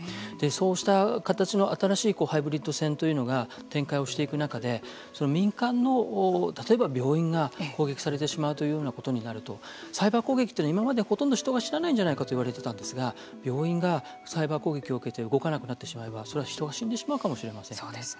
そうした形の新しいハイブリッド戦というのが展開をしていく中で民間の、例えば病院が攻撃されてしまうというようなことになるとサイバー攻撃というのは今までほとんど人が死なないんじゃないかと言われてたんですが病院がサイバー攻撃を受けて動かなくなってしまえばそれは人が死んでしまうかもしれません。